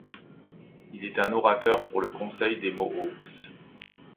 Il est un orateur pour le Conseil des Mohawks.